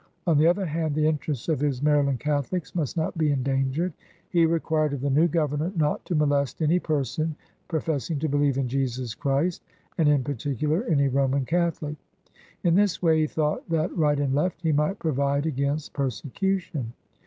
On the other hand the interests of his Maryland Catholics must not be endangered. He required of the new Governor not to molest any person "professing to believe in Jesus Christ, and in particular any Roman Catholic." In this way lie thought that, r^ght and left, he might provide against persecution.